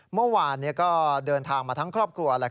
เมื่อวานก็เดินทางมาทั้งครอบครัว